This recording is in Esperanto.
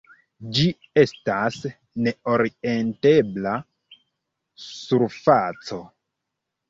Ĝi estas ne-orientebla surfaco.